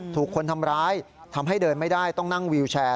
ถูกคนทำร้ายทำให้เดินไม่ได้ต้องนั่งวิวแชร์